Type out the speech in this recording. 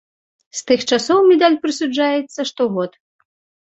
З тых часоў медаль прысуджаецца штогод.